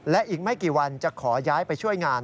และอีกไม่กี่วันจะขอย้ายไปช่วยงาน